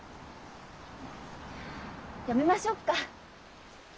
やめましょうか。